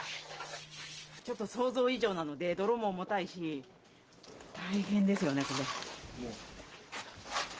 ちょっと想像以上なので、泥も重たいし、大変ですよね、これ。